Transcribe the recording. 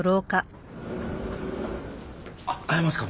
あっ会えますか？